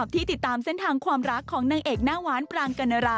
ติดตามจากรายงานค่ะ